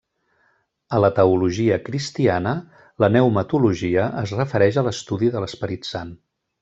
A la teologia cristiana, la pneumatologia es refereix a l'estudi de l'Esperit Sant.